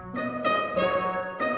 gak ada de